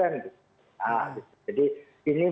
nah jadi ini